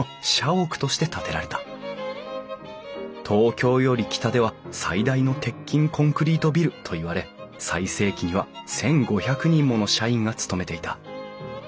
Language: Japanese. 東京より北では最大の鉄筋コンクリートビルといわれ最盛期には１，５００人もの社員が勤めていた。